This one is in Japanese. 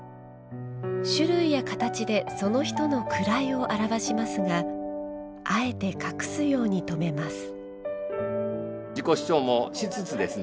種類や形でその人の位を表しますがあえて隠すように留めます。